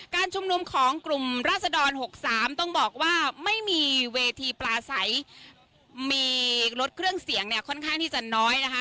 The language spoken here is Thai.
การชุมนุมของกลุ่มราศดร๖๓ต้องบอกว่าไม่มีเวทีปลาใสมีรถเครื่องเสียงเนี่ยค่อนข้างที่จะน้อยนะคะ